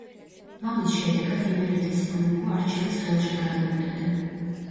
ამის შედეგად იმერეთის სამეფო არჩილის ხელში გადავიდოდა.